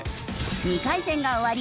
２回戦が終わり